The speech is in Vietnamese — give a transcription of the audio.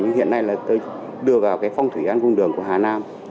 nhưng hiện nay là tôi đưa vào cái phong thủy an cung đường của hà nam